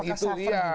apakah syafran itu